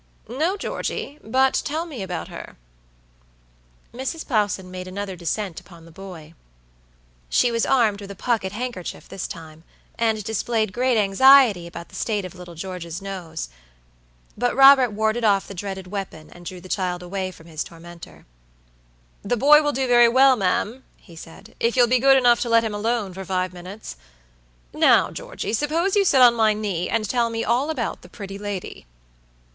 "No, Georgey, but tell me about her." Mrs. Plowson made another descent upon the boy. She was armed with a pocket handkerchief this time, and displayed great anxiety about the state of little George's nose, but Robert warded off the dreaded weapon, and drew the child away from his tormentor. "The boy will do very well, ma'am," he said, "if you'll be good enough to let him alone for five minutes. Now, Georgey, suppose you sit on my knee, and tell me all about the pretty lady."